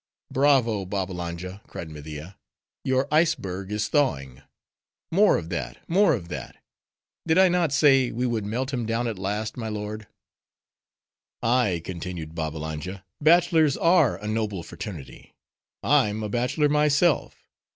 "Bravo, Babbalanja!" cried Media, "your iceberg is thawing. More of that, more of that. Did I not say, we would melt him down at last, my lord?" "Ay," continued Babbalanja, "bachelors are a noble fraternity: I'm a bachelor myself.